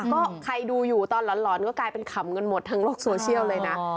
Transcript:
ก็ใครดูอยู่ตอนหลอนก็กลายเป็นขำกันหมดทางโลกโซเชียลเลยนะ